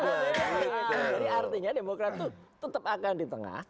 jadi artinya demokrat itu tetap akan di tengah